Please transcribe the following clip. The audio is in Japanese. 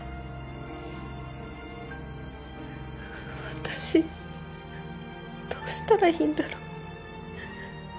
私どうしたらいいんだろう？